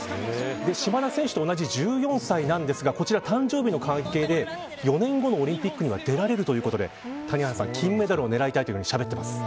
島田選手と同じ１４歳なんですが誕生日の関係で４年後のオリンピックには出られるということで谷原さん、金メダルを狙いたいとしゃべってます。